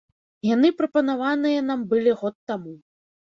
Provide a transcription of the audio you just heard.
Яны прапанаваныя нам былі год таму.